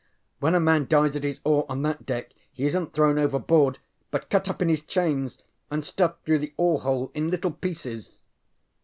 When a man dies at his oar on that deck he isnŌĆÖt thrown overboard, but cut up in his chains and stuffed through the oar hole in little pieces.